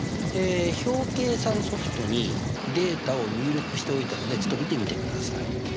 表計算ソフトにデータを入力しておいたのでちょっと見てみてください。